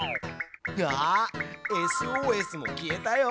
あっＳＯＳも消えたよ！